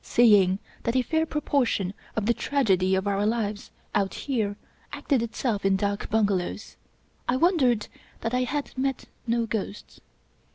Seeing that a fair proportion of the tragedy of our lives out here acted itself in dak bungalows, I wondered that I had met no ghosts.